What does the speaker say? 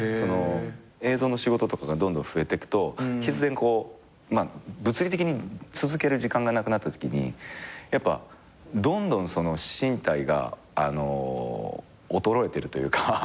映像の仕事とかがどんどん増えてくと物理的に続ける時間がなくなったときにやっぱどんどん身体が衰えてるというか。